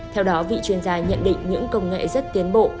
theo đó vị chuyên gia nhận định những công nghệ rất tiến bộ